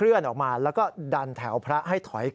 พระบุว่าจะมารับคนให้เดินทางเข้าไปในวัดพระธรรมกาลนะคะ